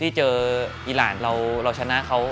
ที่เจออีหลานเราเราชนะเขา